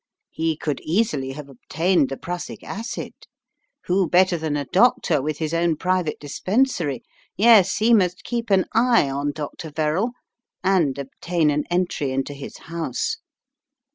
He could easily have obtained the prussic acid; who better than a doctor with his own private dispensary? Yes, he must keep an eye on Dr. Verrall — and ob tain an entry into his house.